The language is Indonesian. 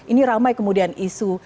ini ramai kemudian isu